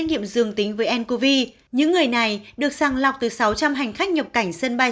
nghiệm dương tính với ncov những người này được sàng lọc từ sáu trăm linh hành khách nhập cảnh sân bay